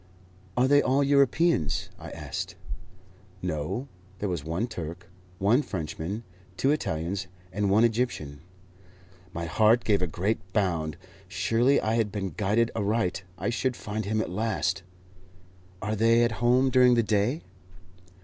"Are they all Europeans?" I asked. "No. There was one Turk, one Frenchman, two Italians, and one Egyptian." My heart gave a great bound. Surely I had been guided aright; I should find him at last. "Are they at home during the day?"